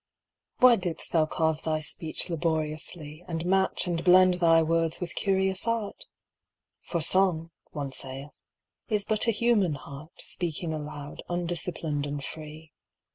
Why didst thou carve thy speech laboriously, And match and blend thy words with curious art? For Song, one saith, is but a human heart Speaking aloud, undisciplined and free.